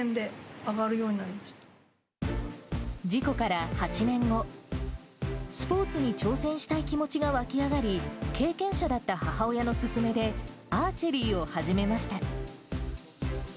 上がる事故から８年後、スポーツに挑戦したい気持ちが湧き上がり、経験者だった母親の勧めで、アーチェリーを始めました。